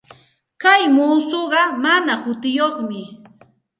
Kay muusuqa mana hutiyuqmi.